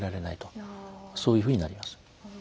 そういうふうになります。